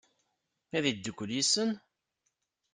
Ad yeddukel yid-sen?